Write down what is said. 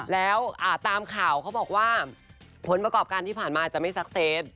แล้วตามข่าวเขาบอกว่าผลประกอบการที่ผ่านมาจะไม่ซักเซต